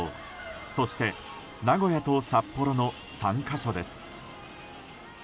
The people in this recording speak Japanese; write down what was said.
そして名古屋と札幌の３か所です。